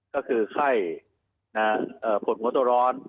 ก็คือไข้ปวดหัวตัวร้อน